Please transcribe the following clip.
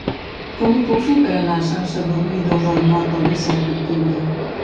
Com ho puc fer per anar a Sant Sadurní d'Osormort el disset d'octubre?